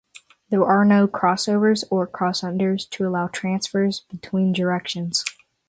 There are no crossovers or crossunders to allow transfers between directions.